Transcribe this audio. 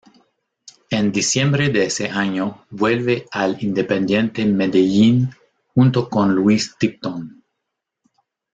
En diciembre de ese año vuelve al Independiente Medellín junto con Luis Tipton.